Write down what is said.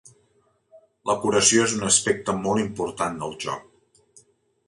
La curació és un aspecte molt important del joc.